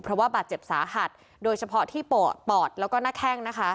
เพราะว่าบาดเจ็บสาหัสโดยเฉพาะที่ปอดปอดแล้วก็หน้าแข้งนะคะ